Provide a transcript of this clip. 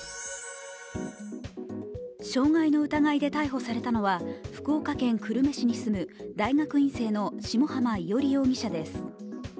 傷害の疑いで逮捕されたのは福岡県久留米市に住む大学院生の下浜伊織容疑者です。